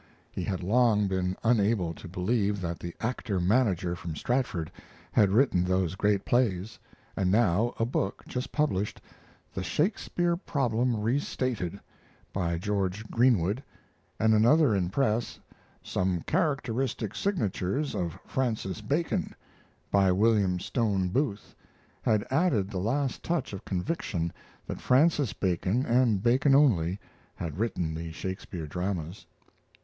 He had long been unable to believe that the actor manager from Stratford had written those great plays, and now a book just published, 'The Shakespeare Problem Restated', by George Greenwood, and another one in press, 'Some Characteristic Signatures of Francis Bacon', by William Stone Booth, had added the last touch of conviction that Francis Bacon, and Bacon only, had written the Shakespeare dramas.